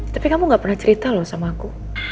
tapi kamu gak pernah cerita loh sama aku